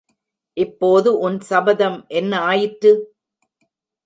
இப்போது உன் சபதம் என்ன ஆயிற்று?